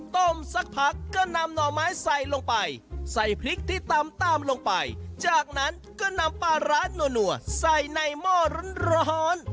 สักพักก็นำหน่อไม้ใส่ลงไปใส่พริกที่ตำตามลงไปจากนั้นก็นำปลาร้านัวใส่ในหม้อร้อน